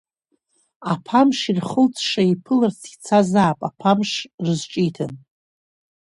Аԥамш ирхылҵша иԥыларц ицазаап, аԥамш рызҿиҭын.